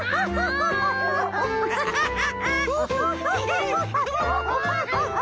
ハハハハ！